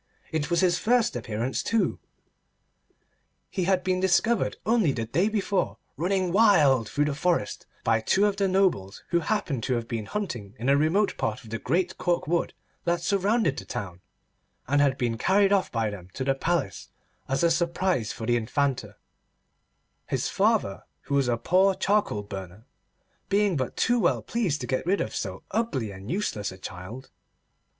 It was his first appearance, too. He had been discovered only the day before, running wild through the forest, by two of the nobles who happened to have been hunting in a remote part of the great cork wood that surrounded the town, and had been carried off by them to the Palace as a surprise for the Infanta; his father, who was a poor charcoal burner, being but too well pleased to get rid of so ugly and useless a child.